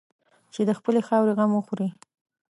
چې د خپلې خاورې غم وخوري.